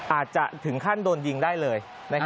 อาจจะถึงขั้นโดนยิงได้เลย